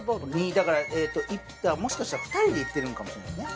だからもしかしたら２人で行ってるのかもしれないね。